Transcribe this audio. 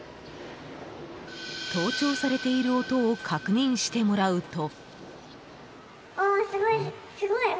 盗聴されている音を確認してもらうと。